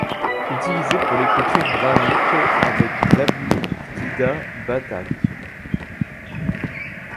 Utilisés pour l’écriture brahmique avec l’abugida batak.